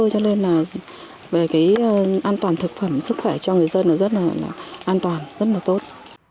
cho nên là về cái an toàn thực phẩm sức khỏe cho người dân là rất là an toàn rất là tốt